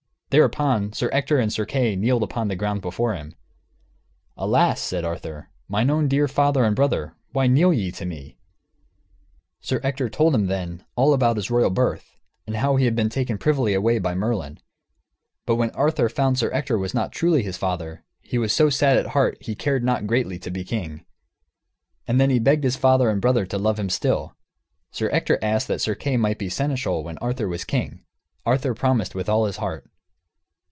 Thereupon, Sir Ector and Sir Kay kneeled upon the ground before him. "Alas," said Arthur, "mine own dear father and brother, why kneel ye to me?" Sir Ector told him, then, all about his royal birth, and how he had been taken privily away by Merlin. But when Arthur found Sir Ector was not truly his father, he was so sad at heart that he cared not greatly to be king. And he begged his father and brother to love him still. Sir Ector asked that Sir Kay might be seneschal when Arthur was king. Arthur promised with all his heart.